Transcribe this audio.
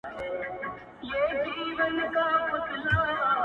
یوه ورځ راته دا فکر پیدا نه سو-